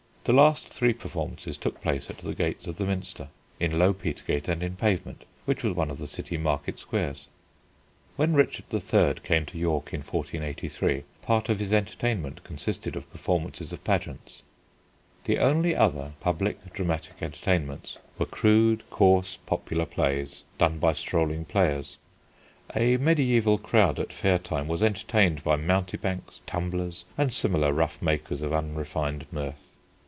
The last three performances took place at the gates of the Minster; in Low Petergate, and in Pavement, which was one of the city market squares. When Richard III. came to York in 1483, part of his entertainment consisted of performances of pageants. The only other public dramatic entertainments were crude, coarse, popular plays, done by strolling players. A mediæval crowd at fair time was entertained by mountebanks, tumblers, and similar rough makers of unrefined mirth.